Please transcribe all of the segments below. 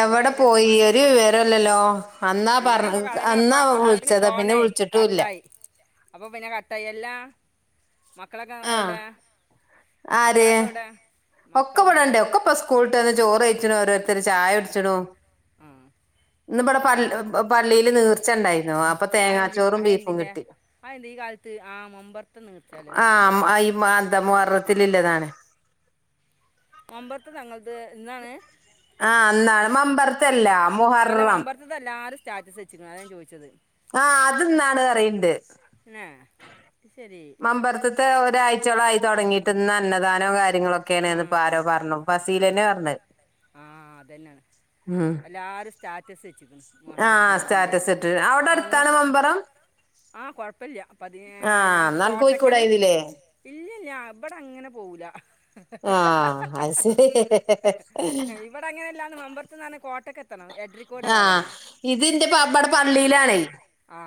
Phone അയിന്റെ എടുക്ക വിവരം ഇപ്പൊ അതന്നെ അപ്പോത്തിന് ഫോണേ കട്ടായി അപ്പൊ പിന്നെ കട്ടായി എല്ലാ ആഹ ആര് ഒക്കെ ഇവിടണ്ടേ ഒക്കെപ്പ സ്കൂൾ വിട്ടെന്ന് ചോറ് വെയ്ച്ച്ണു ഓരോരുത്തരു ചായ കുടിച്ച്ണു ഇന്ന് ഇവിടെ പ പള്ളിയില് നീർ ചണ്ടായി ആ എന്തിൻ ആയ എന്തിന്റെ ആയെന്ത ഈ കാലത്ത് ആ മുമ്പർത്തെ നീർച്ചാലേ ആ തെ മൊഹറത്തില് ല്ലതാണ് മമ്പൊർത്തെ തങ്ങൾത് ആ അന്നാണ് മമ്പർത്തെല്ല മുഹറം സ്റ്റാസ് വെച്ച്ക്ക്ണ് അതാ ഞാൻ ചോയ്ച്ചത് ആ അത് ന്നാണ് അറീണ്ട് മമ്പ ർത്ത്ത്തെ ഒരാഴ്‌ചോളായി തൊടങ്ങിട്ട്ന്ന് അന്നദാന കാര്യങ്ങളൊക്കേണ്ന്ന് ഇപ്പോ ആരോ പറഞ്ഞു വസീലന് ആ അതന്നെണ് അല്ലാരും സ്റ്റാറ്റസ് വെ ആ സ്റ്റാറ്റസ്റ്റ് ഇട്ട് അവിടെ അടുത്താണ് ഈ മമ്പുറം ആ കൊഴ്പ്പ പ്പല്ല്യ അപ്പ അത് ഞങ്ങൾക്ക് കോട്ടക്കല് ഇല്ല്യ ഞാൻ ഇബടെ അങ്ങനെ പോവൂല ആ അയ്ശരി ഇവിടെ അങ്ങനെല്ലാന്ന് മമ്പർത്ത് ന്നാർഞ്ഞ കോട്ടക്ക എത്തണം എട്രിക്കോട് ആ വാകല്ലേ ആ ഇത് ൻ്റെ വാപ്പ അവിടെ പള്ളീലാണെയ് ആ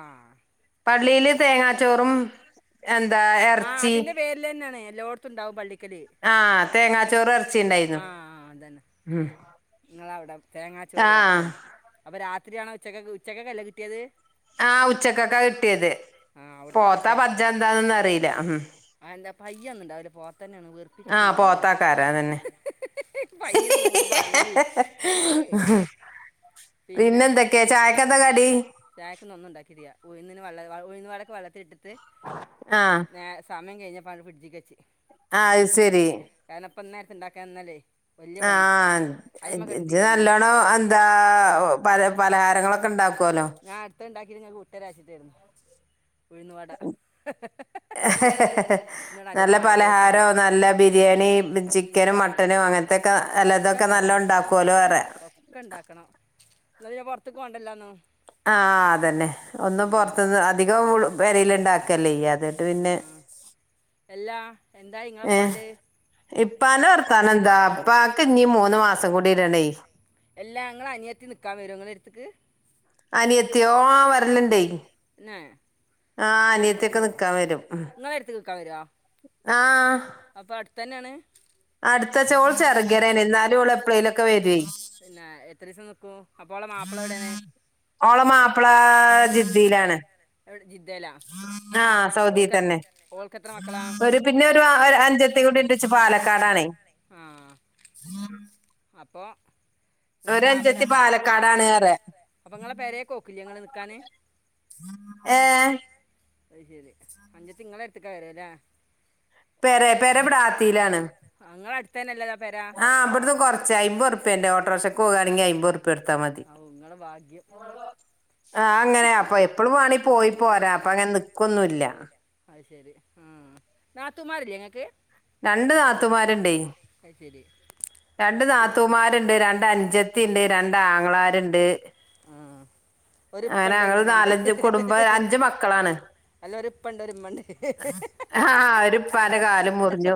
ള്ളിയില് തേങ്ങാച്ചോറും എന്താ എർച്ചി ല്ലോട്ത്തുണ്ടാവും പള്ളി ആ തേങ്ങാച്ചോറ് എർച്ചിണ്ടായിരുന്നു ഉം ങ്ങളവിടെ തേങ്ങാച്ചോറ് എർച്ചി [unintelligible] ആ അപ്പോ അപ്പൊ രാത്രിയാണോ ഉച്ചക്കക്ക് ഉച്ചക്കക്കല്ലേ കിട്ടിയത് ആ ഉച്ചക്കെക്കാ കിട്ടിയത് പോത്താ പജ്ജാ എന്താന്നൊന്നും അറിയില്ല ഉം ആ എന്താ പയ്യൊന്ന് ഇണ്ടാവുല പോത്തന്നെണ് വെറുപ്പിക്ക്ണ് ഈ പയ്യ്നൊന്നും ങ്ങള് പറിയല്ലി ഈ പിന്നെ പിന്നെന്തൊക്കെ ചായക്ക് ഇന്ന് ഒന്നും ഉണ്ടാക്കിയിട്ടിയ ഉഴുന്നിന് വള്ള ഉഴുന്ന് വടക്ക് വെള്ളത്തിലിട്ട് ത് ഞ്ഞേ സമയം കഴിഞ്ഞപ്പോ ആണ്ട് ഫ്രിഡ്ജിക്ക് വെച്ച് ആത് ശരി ഇപ്പോ ഇന്നേരത്ത് ഉണ്ടാക്കാൻ നിന്നാല്ലേ ആ ഇജ്ജ് നല്ലോണം എന്താ പല പലഹാരങ്ങളൊക്കെ ഉണ്ടാക്കും ഞാൻ അടുത്തതുണ്ടാക്കീട്ട് ഇങ്ങക്ക് വിട്ടെരാച്ചിട്ടെരുന്നു നല്ല പലഹാരം നല്ല ബിരിയാണി ചിക്കനും മട്ടനും അങ്ങനത്തൊക്കെ എല്ലാതൊക്കെ നല്ല ഉണ്ടാക്കുവല്ലോ പറയാ ഇന്നാ പിന്നെ പൊറത്തിക്ക് പോണ്ടല്ലൂന്നു ആ അതന്നെ ഒന്നും പൊറത്തുന്ന് അധികം പെരേല് ഇണ്ടാക്കല്ലേ ചെയ്യാ ഇന്നിട്ട് പിന്നെ എല്ലാ ഏ ഇപ്പാന വർത്താനം എന്താ ഇപ്പാക്ക് ഇനി മൂന്ന് മാസം കൂടി ഇടണേ ക്ക് [inaudible] അനിയത്തിയോ ആ വരലിണ്ടേ തന്നെ ആ അനിയത്തിയൊക്കെ നിക്കാൻ വരും ആ അപ്പൊ അടുത്തന്നെയാണ് അടുത്ത ഓൾ ചെറ്കരേണ് എന്നാലും ഓൾ എപ്പളേലൊക്കെ വരും പിന്നെ എത്ര ദിവസം നിക്കും അപ്പോ ഓൾടെ മാപ്പിള എവിടെയാണ് ഓടെ മാപ്പിള ജിദ്ദയിലാണ് ആ സൗദി തന്നെ ഒരു പിന്നെ ഒരു അനുജത്തി കൂടി ഉണ്ട് പാലക്കാടാണേ അപ്പോ ഒ അനുജത്തി പാലക്കാട് ആണ് പറയ ക്കാന് ഏ അത് ശരി അഞ്ചത്തി നിങ്ങളെ അടുത്തിക്കാ വരല്ലേ പെര പെര പ്ലാത്തിയിലാണ് തന്നല്ല ആ അവിടുന്ന് കൊറച്ചു- ആയിമ്പത് ഉറുപ്യല്ലേ ഓട്ടോറിക്ഷക്ക് പോകാണെങ്കിൽ ആയിമ്പർപ്യ കൊടുത്താൽ മതി ആഹ അങ്ങനെയ അപ്പൊ എപ്പഴും വേണീ പോയി പോരാ അപ്പൊ അങ്ങനെ നിക്കൊന്നുമല്ല ഉം നാത്തൂമാരില്ലേ നിങ്ങക്ക് രണ്ട് നാത്തൂൻമാരുണ്ട് രണ്ട് നാത്തൂമാരുണ്ട് രണ്ട് അനുജത്തി ഉണ്ട് രണ്ട് ആങ്ങളമാരുണ്ട് അങ്ങനെ ഞങ്ങൾ നാലഞ്ച് കുടുംബ അഞ്ചു മക്കളാണ് ഉപ്പണ്ട് ഒരുമ്മണ്ട് ആഹ ഒരിപ്പാന്റെ കാല് മുറിഞ്ഞു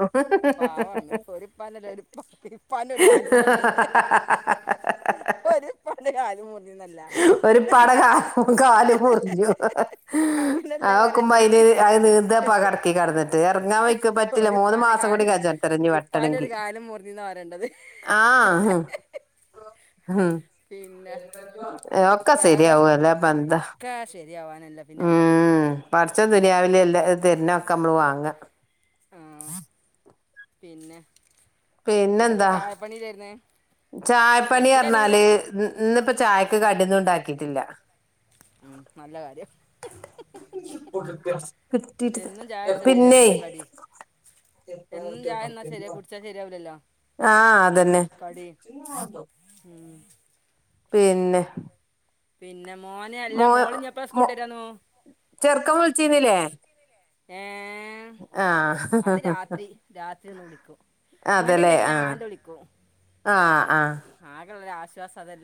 ഒരു പാടെ കാല് മുറിഞ്ഞു ആ വെക്കുമ്പോ അതിന് അത് നീന്താ പ കടക്കി കിടന്നിട്ട് ഇറങ്ങാൻ വയ്ക്ക പറ്റില്ല മൂന്ന് മാസം കൂടി കച്ചണത്രേ വെട്ടണെങ്കി ആഹ പിന്നെ ഒക്ക സരി ആവും അല്ലാതെ പ്പന്താ ഉം പ പടച്ചോൻ ദുനിയാവൽ എല്ല തരുന്ന തൊക്കെനമ്മൾ വാങ്ങാ ആഹ [inaudible] പിന്നെ പിന്നെ ഇപ്പോ ചായപ്പണിയിലായിരുന്നേ ചായപ്പണിപറഞ്ഞാല് ഇന്നിപ്പ ചായ കടി ഒന്നു ഉണ്ടാക്കിയിട്ടില്ല പിന്നെ ആഹ അതന്നെ പിന്നെ പിന്നെ മോൻ മ ചെറുക്കം വിളിച്ചിരുന്നില്ലേ ഏ ഏ അത് രാത്രി രാത്രി ഒന്ന് വിളിക്കൂ ഇങ്ങണ്ടല്ലെങ്കി ഞാൻ ആണ്ട് വിളിക്കും ആ ആകെയുള്ള ഒരാ ആശ്വാസതല്ലെ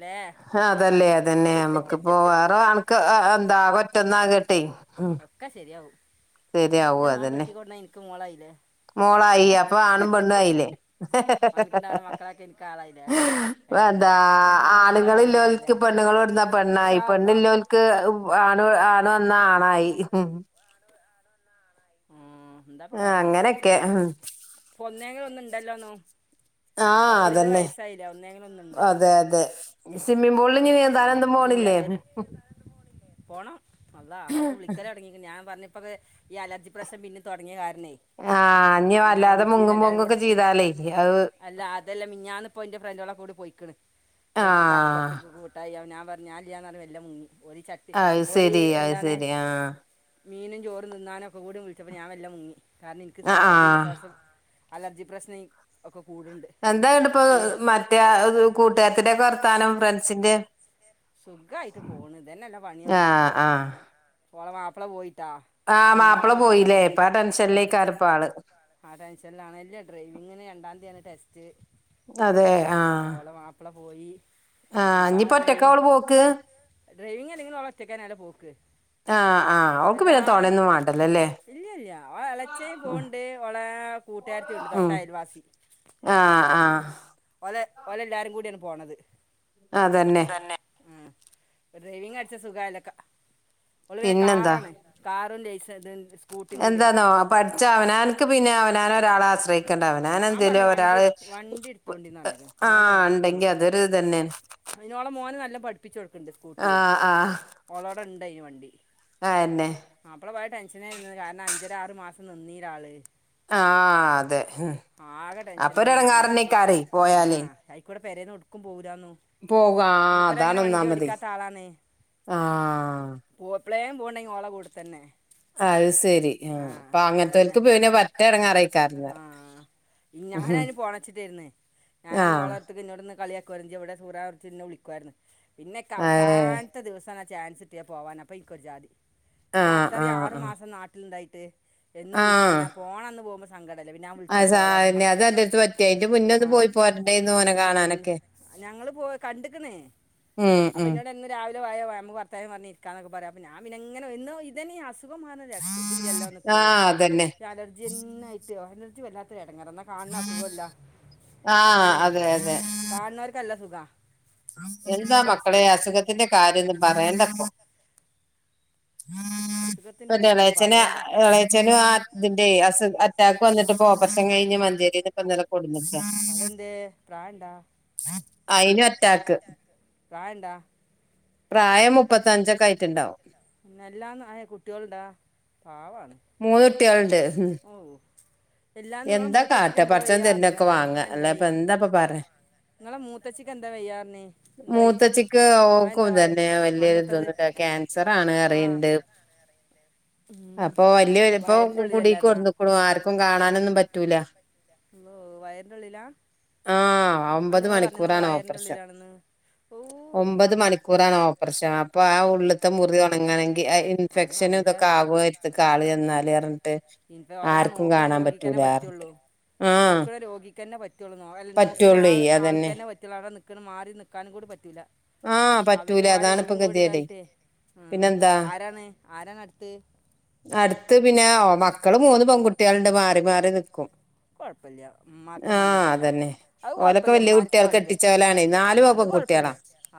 അതല്ലേ അതന്നെ നമ്മക്ക് ഇപ്പോ വേറെ ആ ക്ക്എന്താ ഒറ്റന്ന ആകട്ടെ ഒക്കെ ശെരിയാവും മറ്റേ മോൻ കെട്ടിക്കൊടന്നഎനിക്ക മോളായില്ലേ മോളായി അപ്പൊ ആണും പെണ്ണും ആയില്ലേ എന്താ ആണുങ്ങളില്ലാവർക്ക് പെണ്ണുങ്ങളെവുടുന്നാ പെണ്ണായി പെണ്ണില്ലോൽക്ക് ആണ് ണ് വന്ന ആണായി ഉം ആ അങ്ങനൊക്കെ ആ ഒന്നെക ഒന്ന്ണ്ടല്ലോന്നോ പത്തിരുപത് വയസായില്ല ഒന്നക്ന് ഒന്നുണ്ട് ഉ അത് ല്ലാത്തൊരു പോണം അളളാ ആതക്കവിളിക്കല തുടങ്ങിക്ക് ഞാൻ പറഞ്ഞ അതെ ഇ പ്രശ്നം പിന്നെ തുടങ്ങിയ കാരണേ ഞാൻ വിളിച്ച എല്ലാവരും കൂടെ അല്ല അതെല്ലാം ഞാൻപ്പോൾ എൻ്റെ ഫ്രണ്ടോളെ കൂടി പോയിക്കണ് ഇവട്ക്ക് കടപ്പറത്ത്ക്ക് കൂട്ടായി അപ്പ ഞാ പർ ഞാൻല്ലാന്നർഞ്ഞ് മെല്ലെ മുങ്ങി അഹ് ശരി അഹ് ശരി ആ മീനും ചോറ് നിന്നാനും ഇപ്പോ കൂടി വിളിച്ചപ്പോ ഞാൻ മെല്ലെ മുങ്ങി കാരണം എനിക്ക് സ്വാ ദിന്റെ ശ്വാസം അലർജി പ്രശ്ന ഒക്കെ എന്താണ്ട് ഇപ്പൊ മറ്റേ കൂട്ടുകാരത്തിന്റെക്കെർ ത്താനം ഫ്രൻസിന്റെ സുഖായിട്ട് പോണ് ഇതന്നെല്ല പണിയള്ളൂ ഓള മാപ്പള പോയി സുനിമോള മാപ്പള പോയി ആ ടെൻഷനിലാണ് ഡ്രൈവിങ്ങ്ന് രണ്ടാന്തി ആണ് ടെസ്റ്റ് അതെ ആ പോയി ആ ഇഞ്ഞ്പ്പോ ഒറ്റക്ക ഓള് പോക്ക് ഡ്രൈവിങ്ങ് അല്ലെങ്കിലും ഓളോറ്റക്കെന്നെ പോക്ക് എല്ലാ ഇല്ല ഇല്ല ഓളെ ഇളച്ചയും പോണ്ട് ഓളെ ഉം ആ ആ ഓല് എല്ലാവരും കൂടിയാണ് പോണത് അതന്നെ ഡ്രൈവിങ് അടിച്ച സുഖമായിലൊക്കെ ഓള് പിന്നെ കാറാണ് കാറു ലെ എന്താന്നോ പഠിച്ച അവനാൻക്ക് പിന്നെ അവനാന ളസ് ണ്ട അവനാന എന്തലും ഒരാള് ആ ഉണ്ടെങ്കി അതൊരു ഇത് തന്നെയ പഠപ്പിച്ച കൊട്ക്കും ഓളോടെ ഇണ്ടേയ് വണ്ടി പെൻഷനായിരുന്നത് കാരണം അഞ്ചര ആറ് മാസം നിന്നിരാള് ആ അതെ ഉം അപ്പൊ ഇടങ്ങറെന്നെക്കാറി പോയാലേ പെരേന്നേട്ക്കും പോക പോകുക അതാണ് ഒന്നാമത് ആഹ് [unintelligible] കൊടുത്തന്നെ അത് ശെരി ആ അപ്പൊ അങ്ങനത്തെവർക്ക് പിന്നെ വർക്ക് ആ [unintelligible] ഞാനന് പോണച്ചിട്ട ഇരുന്നേ ഞാനു ഓളെടുത്തു [unintelligible] [unintelligible] വിളിക്കുവായിരുന്നു പിന്നെക്കെ അവസാനത്തെ ദിവസാണ് ചാൻസ് കിട്ടിയാ പോകാനപ്പം ഇനിക്കൊരു [unintelligible] ഞാൻ അത്രയും ആറു മാസം നാട്ടിലുണ്ടായി [unintelligible] എന്ന് വിളിച്ചു പിന്നെ ഫോനങ്ങു റൂമി സാങ്കതി അ സാ ന്റെടുത്ത് പറ്റൃ. അയിന്റെമുന്നൊന്ന് പോയി പോരണ്ടേനു ഓനെ കാണാനൊക്കെ. ഉം. ഉം വയോ വാ വർത്താനംപറഞ് ഇരിക്കാന്ന് പറിം അപ്പൊഞാൻ തൊന്നെ ഇഅസ്ഥ [unintelligible] ത്‌ല്ലല്ലോമ്മക്ക്.. അലർജിന്ന അലർജി വല്ലാത്ത [unintelligible] എടേ, കാണുന്ന അസുഖല്ല അതാാണ് കാണുന്നവർക്കല്ല സുഖം എന്താ മക്കളെ. അസുഖത്തിന്റെ കാര്യന്നും പറയണ്ട പ്പൊ. [inaudible] ളേച്ചന് എളേച്ചനും ആ അതിന്റെ അറ്റാക്ക് വന്നിട്ട് പോപർശം കഴിഞ്ഞ് മഞ്ചേരിന്ന് പോ ഇന്നലെ കൊടുന്ന്ക്ക. അയിനു അ [inaudible] പ്രായണ്ടാ പ്രായം മുപ്പത്തഞ്ചൊക്കെ ആയിട്ടുണ്ടാവും. എല്ലാന്ന് യേ കുട്ടികളുണ്ടാ മൂന്ന് കുട്ടികളുണ്ട് ഉം എന്താ കാട്ട പടച്ചോ തര്ന്നൊക്കെ വാങ്ങ അല്ലെ അപ്പൊ എന്താപ്പ പറ നിങ്ങളെ മൂത്തച്ചക്ക് എന്താ വയ്യാ മൂത്തച്ചിക്ക് ഓക്കും ത് ന്നെയ വല്യാ ഇതൊന്നുല്ല ക്യാൻസർ ആണ് അറിയണ്ട് അപ്പൊ വലിയപ്പൊ കുടിക്ക് കൊന്നക്കണു ആർക്കു [unintelligible] കാണാനൊന്നും പറ്റൂല ആഹ് ഒമ്പത് മണിക്കൂറാണ് ഒപ്റേഷൻ ഒമ്പത് മണിക്കൂറാണോ ഓപ്പറേഷൻ? അപ്പൊ ആ വള്ളത്തെ മുറിതി ഒണങ്ങാനങ്കിൽ ഇൻഫെക്ഷന ഇതൊക്കെ ആകുമായിരുത് കാള് എന്നാല് ഇറിഞ്ഞിട്ട് ആർക്കും കാണാൻ പറ്റൂല അറിഞ്ഞിട്ട് ആഹ്... എന്ന പറ്റി അല്ല നോക്കണ ആൾ ആള്ക്കന്നെ പട്ടൊള്ളു അവടെനിക് ക്കന് മാറി നിക്കാനും കൂടി പറ്റൂല ആഹ് പറ്റൂല അതാാണ്പ്പോ ഗതിടേയ് പിന്നെന്താ അ അടുത്ത് പിന്നേയ് മ മക്കള് മൂന്ന് പെൺകുട്ടിയളണ്ട് മാറി മാറി നിക്കും ആഹ് അതന്നെ ഓലൊക്കെ വല്യ കുട്ടികൾ കെട്ടിച്ചാലാണേ നാല് പെൺകുട്ടിയേള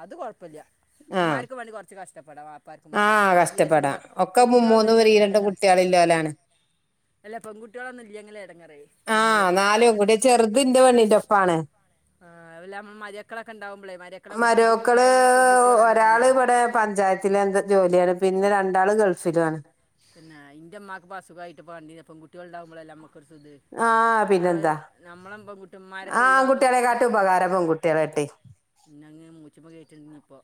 അത് കുഴപ്പല്ല ഉമ്മാർക്കുംവേണ്ടി കുറച്ച് കഷ് പടവാ ഉപ്പാർക്കും ഉമ്മാർക്കും ഞാൻ വിചാരിച് ഇങ്ങ പെൺകുട്ടിയെളൊന്നും ഇല്ലെങ്കില എടങ്ങേറ് അല്ല പെൺകുട്ടിയെളൊന്നും ഇല്ലെങ്കില എടങ്ങേറ് ആഹ് നാലും കൂടി ചെറുത് ഇന്റെ പെണ്ണിന്റെ ഒപ്പാണ് ആഹ് അല്ല മര്യക്കളൊക്കെണ്ടാവുമ്പളെ മര്യക്കളെ ബുദ്ധിമുട്ടിക്ക്ണക്കായാലും പെൺകുട്ട്യേളെല്ലെ നല്ലത് എന്ത ജോല്യാണ് പിന്നെ രണ്ടാള് ഗൾഫില്വാണ് തന്നെ ഇന്റമ്മാക്ക്പ്പോ അസുഖാ യിട്ട്പ്പോ കണ്ടിലെ പെൺകുട്ട്യേള്ണ്ടാകുമ്പളല്ലേ ഞമ്മക്ക് ആഹ് പിന്നെന്താ ആൺകുട്ട്യേളെക്കാട്ട് ഉപകാര പെൺകുട്ട്യേളെട്ടെയ് ഇന്നങ്ങ് മൂച്ചിമ്മെ കേട്ട്ണ്ട് [unintelligible] ഞ്ഞിപ്പോ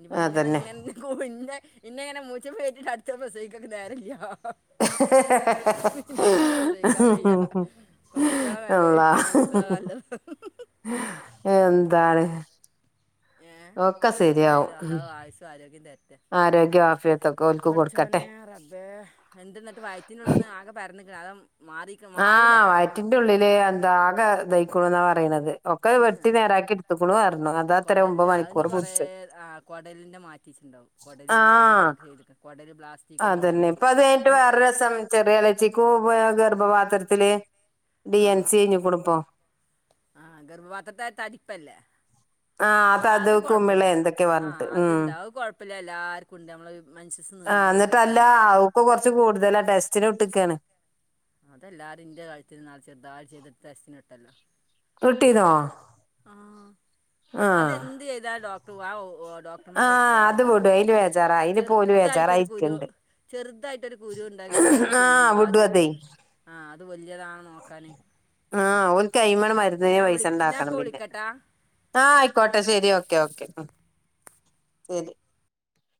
ഇഞ്പ്പോ ഇങ്ങനെ ഇങ്ങനങ് കൂവി ഇന്നെ ഇന്നെ ഇങ്ങനെ മൂച്ചിമ്മേകേട്ടീട്ട് അടുത്ത പ്രസവിക്കാൻ ഇക്ക് നേരല്ല [unintelligible] ഹ് ഹ് ഹ് ഹ് ഹ് അള്ളാ ഹ് ഹ് എന്താണ് [inaudible] ഏഹ് എന്തായാലും അള്ളാഹു ആയുസ്സും ആരോഗ്യവും തരട്ടെ പടച്ചോനേ റബ്ബേ എന്താ എന്നിട്ട് വയറ്റന്നുള്ളിന്ന് ആകെ പരന്നക്കണോ അതോ- ആഹ് വയറ്റിന്റെ ഉള്ളില് എന്താ ആകെ- ദഹിക്കുണുന്നാ പറയണത് കൊടലിന്റെ അതിനി കൊറെ ആ കോടലിന്റെ മാറ്റിവെച്ചിട്ടുണ്ടാവും കോടല് ആ ഞങ്ങടെ അവിടെ ഒരാൾക്ക് കോടല് ബ്ളാസ്റ് അത് തന്നെ ഇപ്പൊ അത് കഴിഞ്ഞട്ട് വേറെ രസം ചെറിയ എളേചിക്ക് ഉപയോഗ- ഗർഭപാത്രത്തില് ആഹ് ആഹ് ഗർഭപാത്രത്തെ ആ തടിപ്പല്ലേ ആഹ് അത് അത് കുമിളേ എന്തൊക്കെ പറഞ്ഞിട്ട് ഉം ആ എന്നിട്ടല്ല അവക്ക് കൊറച്ച് കൂടുതലാ ടെസ്റ്റിന്- ട്ട്ക്കാണ് അതെല്ലാരും ഇന്റെ കഴുത്ത്ന്നാൾ ചെറുതായിട്ട് ചെയ്തിട്ട് ടെസ്റ്റിന് വിട്ടല്ലോ ആഹ് അതെന്ത് ചെയ്താലും ഡോക്- വൗ ഓ ട്ര [unintelligible] ഡോക്ടർമാരെ ഉത്തരവാദിത്താണത് ചെർതായിട്ടൊരു കുരു ചെർതായിട്ടൊരു കുരുണ്ടെങ്കിലും അത് ചെയ്യു അത് ആഹ് ആഹ് ഓല്ക്ക് അയ്‌മല് മര് തേ പൈസണ്ടാക്കണം പിന്നെ ആഹ് അയ്ക്കോട്ടെ ശെരി ഓക്കെ ഓക്കെ ശെരി